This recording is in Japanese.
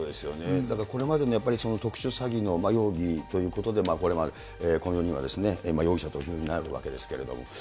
だからこれまでも特殊詐欺の容疑ということでこれまでこの４人は容疑者となるわけですけれども。